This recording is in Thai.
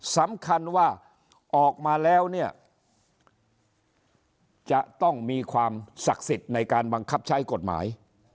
สำคัญว่าออกมาแล้วเนี่ยจะต้องมีความศักดิ์สิทธิ์ในการบังคับใช้กฎหมาย